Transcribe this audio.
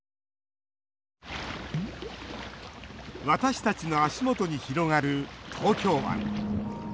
私たちの足元に広がる東京湾。